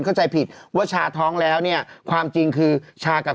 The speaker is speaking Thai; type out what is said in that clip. น้ำชาชีวนัทครับผมโพสต์ขอโทษทำเข้าใจผิดหวังคำเวพรเป็นจริงนะครับ